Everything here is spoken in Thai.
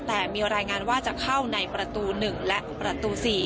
แต่มีรายงานว่าจะเข้าในประตู๑และประตู๔